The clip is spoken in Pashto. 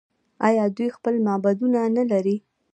آیا دوی خپل معبدونه نلري؟